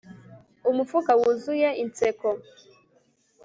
umufuka wuzuye inseko